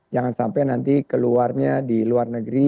jangan sampai nanti keluarnya di luar negeri